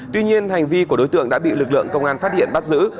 tuy nhiên hành vi của đối tượng đã bị lực lượng công an phát hiện bắt giữ